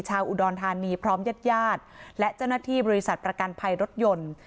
ชาวอุดรธานีพร้อมญาติญาติและเจ้าหน้าที่บริษัทประกันภัยรถยนต์